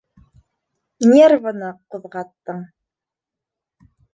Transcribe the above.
Нервыны ҡуҙғаттың...